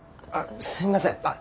あっすいません。